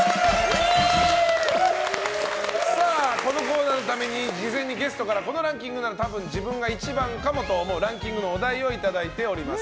このコーナーのために事前にゲストからこのランキングなら自分が１番かもと思うランキングのお題をいただいております。